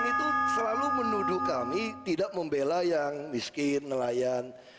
nelayan itu selalu menuduh kami tidak membela yang miskin nelayan